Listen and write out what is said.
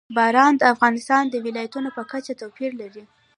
باران د افغانستان د ولایاتو په کچه توپیر لري.